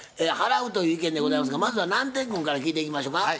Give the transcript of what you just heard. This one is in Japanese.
払うという意見でございますがまずは南天君から聞いていきましょか。